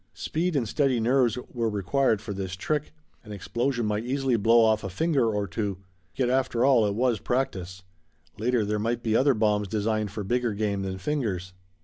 Speed and steady nerves were required for this trick. An explosion might easily blow off a finger or two. Yet, after all, it was practice. Later there might be other bombs designed for bigger game than fingers.